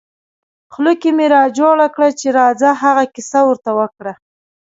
خوله کې مې را جوړه کړه چې راځه هغه کیسه ور ته وکړه.